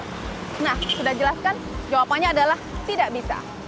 nah sudah jelaskan jawabannya adalah tidak bisa